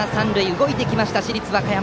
動いてきました市立和歌山。